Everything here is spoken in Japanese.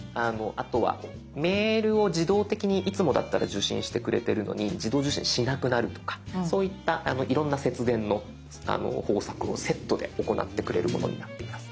あとはメールを自動的にいつもだったら受信してくれてるのに自動受信しなくなるとかそういったいろんな節電の方策をセットで行ってくれるものになっています。